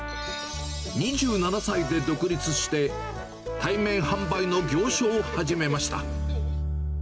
２７歳で独立して、対面販売の行商を始めました。